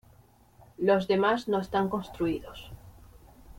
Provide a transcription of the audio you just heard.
Los demás no están construidos.